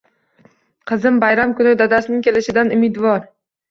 Qizim bayram kuni dadasining kelishidan umidvor